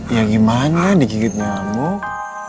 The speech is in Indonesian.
ya gimana dikikit nyambuk